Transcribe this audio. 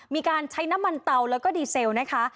มีการใช้น้ำมันเตาแล้วก็ดีเซลนะคะ